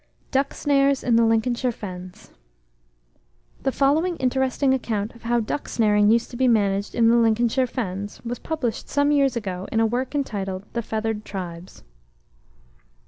] DUCK SNARES IN THE LINCOLNSHIRE FENS. The following interesting account of how duck snaring used to be managed in the Lincolnshire fens, was published some years ago, in a work entitled the "Feathered Tribes."